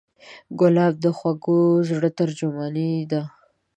ګلاب د خوږه زړه ترجمان دی.